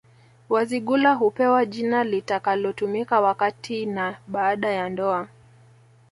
Wazigula hupewa jina litakalotumika wakati na baada ya ndoa